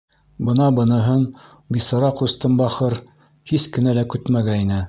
Бына быныһын бисара ҡустым бахыр һис кенә лә көтмәгәйне!